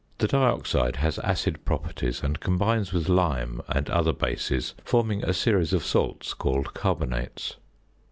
The dioxide has acid properties, and combines with lime and other bases forming a series of salts called carbonates.